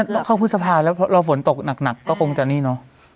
ต้องเข้าพฤษภาแล้วพอเราฝนตกหนักก็คงจะนี่เนอะ